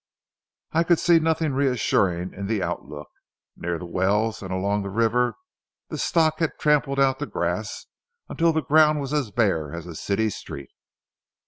I could see nothing reassuring in the outlook. Near the wells and along the river the stock had trampled out the grass until the ground was as bare as a city street.